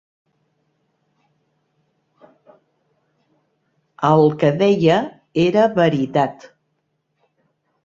El que deia era veritat.